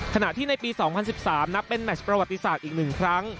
ขณะที่ในปี๒๐๑๓นับเป็นแมชประวัติศาสตร์อีก๑ครั้ง